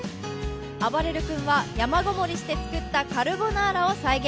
あばれる君は、山籠もりして作ったカルボナーラを再現。